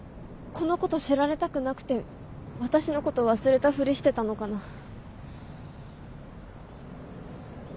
このこと知られたくなくて私のこと忘れたフリしてたのかな。